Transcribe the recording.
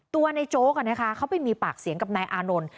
ตัวในโจ๊กเขาไปมีปากเสียงกับนายอานนท์